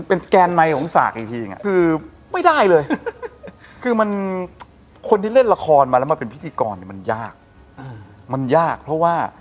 ตอนนั้นสมบบาลพิธีกรในดาวร้านดวงเปลี่ยกมายังไง